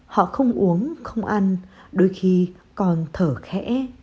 họ không uống không ăn đôi khi còn thở khẽ